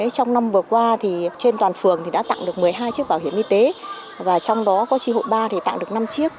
trong năm vừa qua trên toàn phường đã tặng được một mươi hai chiếc bảo hiểm y tế và trong đó có tri hội ba thì tặng được năm chiếc